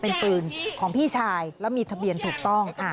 เป็นปืนของพี่ชายแล้วมีทะเบียนถูกต้อง